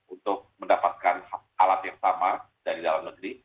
untuk mendapatkan alat yang sama dari dalam negeri